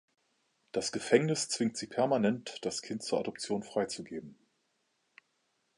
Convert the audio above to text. Das Gefängnis zwingt sie permanent, das Kind zur Adoption freizugeben.